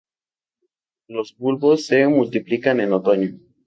Los bulbos se multiplican en otoño.